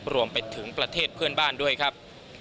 รวมไปถึงประเทศเพื่อนบ้านด้วยครับ